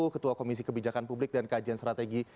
ketua komisi kebijakan publik dan kajian strategi